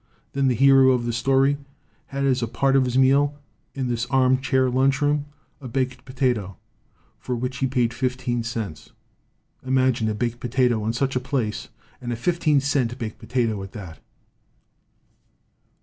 Then, the hero of this story had as a part of his meal in this arm chair lunch room a baked potato, for which he paid fifteen cents ! Imagine a baked potato in such a place, and a fifteen cent baked potato at that!"